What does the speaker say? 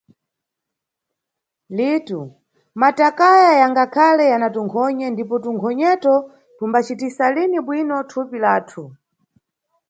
Litu: matakaya yangakhale yana tunkhonye ndipo tunkhonyeto tumbacitisa lini bwino thupi lathu.